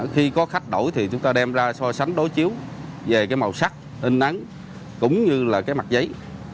khi có khách đổi thì chúng ta đem ra so sánh đối chiếu về cái màu sắc in nắng cũng như là cái mặt giấy